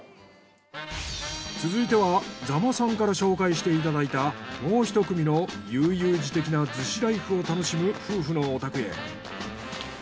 続いては座間さんから紹介していただいたもう１組の悠々自適な逗子ライフを楽しむ夫婦のお宅へ。